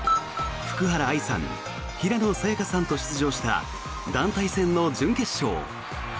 福原愛さん、平野早矢香さんと出場した団体戦の準決勝。